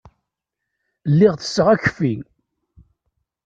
Lliɣ tesseɣ akeffi.